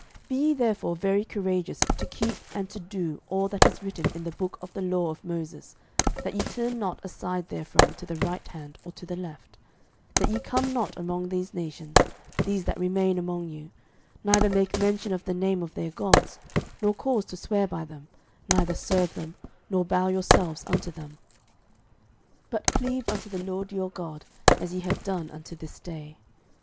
06:023:006 Be ye therefore very courageous to keep and to do all that is written in the book of the law of Moses, that ye turn not aside therefrom to the right hand or to the left; 06:023:007 That ye come not among these nations, these that remain among you; neither make mention of the name of their gods, nor cause to swear by them, neither serve them, nor bow yourselves unto them: 06:023:008 But cleave unto the LORD your God, as ye have done unto this day.